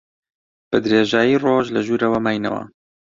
بە درێژایی ڕۆژ لە ژوورەوە ماینەوە.